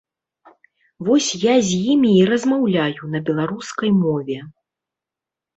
Вось я з імі і размаўляю на беларускай мове.